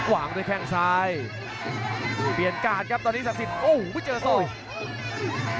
วางด้วยแค่งสายเบียนกลาดครับตอนนี้ศักดิ์สิโอ้โหเติร์ฟสร้อย